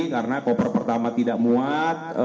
karena koper pertama tidak muat